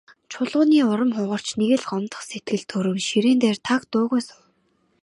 Чулууны урам хугарч, нэг л гомдох сэтгэл төрөн ширээн дээрээ таг дуугүй суув.